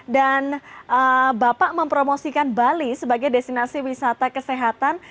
dan bapak mempromosikan bali sebagai destinasi wisata kesehatan